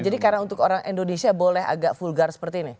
jadi karena untuk orang indonesia boleh agak vulgar seperti ini